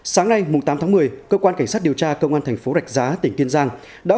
sáng nay tám tháng một mươi cơ quan cảnh sát điều tra công an thành phố rạch giá tỉnh kiên giang